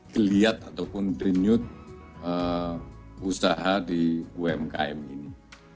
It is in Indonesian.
geliat ataupun denyut usaha di umkm ini